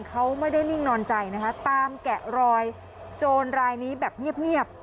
เขาไม่ได้นิ่งนอนใจนะคะตามแกะรอยโจรรายนี้แบบเงียบ